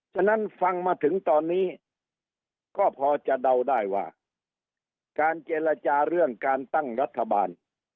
ฉะนั้นฟังมาถึงตอนนี้ก็พอจะเดาได้ว่าการเจรจาเรื่องการตั้งรัฐบาล